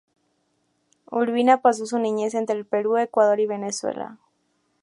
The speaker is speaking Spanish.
Urbina pasó su niñez entre el Perú, Ecuador y Venezuela.